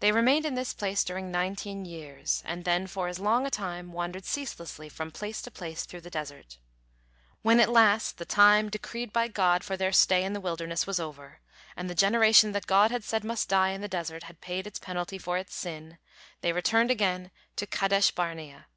They remained in this place during nineteen years, and then for as long a time wandered ceaselessly from place to place through the desert. When at last the time decreed by God for their stay in the wilderness was over, and the generation that God had said must die in the desert had paid its penalty for its sin, they returned again to Kadesh Barnea.